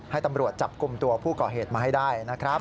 ให้ตำรวจจับกลุ่มตัวผู้ก่อเหตุมาให้ได้นะครับ